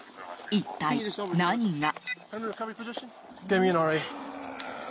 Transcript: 一体何が？